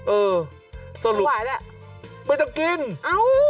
เออต้นลูกไม่ได้กินเอา